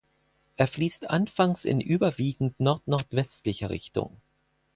Er fließt anfangs in überwiegend nordnordwestlicher Richtung.